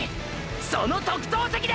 その特等席で！！